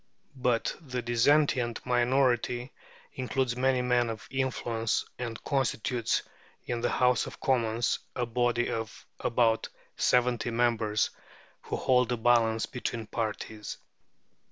But the dissentient minority includes many men of influence, and constitutes in the House of Commons a body of about seventy members, who hold the balance between parties.